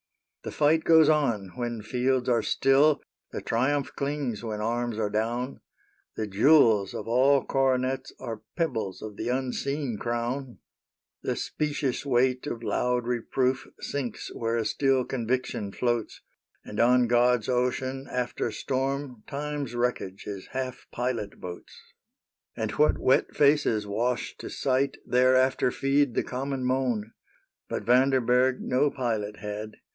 The fight goes on when fields are still, The triumph clings when arms are down ; The jewels of all coronets Are pebbles of the unseen crown j The specious weight of loud reproof Sinks where a still conviction floats ; And on God's ocean after storm Time's wreckage is half pilot boats ; And what wet faces wash to sight Thereafter feed the common moan ;— But Vanderberg no pilot had.